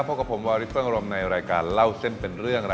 พบกับผมวาริสเฟิงอารมณ์ในรายการเล่าเส้นเป็นเรื่อง